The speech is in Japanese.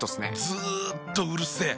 ずっとうるせえ。